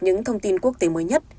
những thông tin quốc tế mới nhất